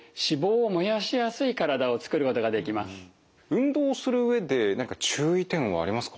運動をする上で何か注意点はありますか？